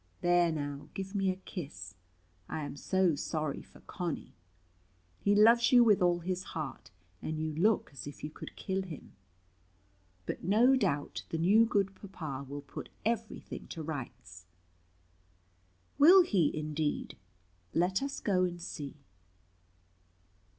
There now, give me a kiss. I am so sorry for Conny. He loves you with all his heart, and you look as if you could kill him. But no doubt the new good papa will put every thing to rights." "Will he indeed? Let us go and see."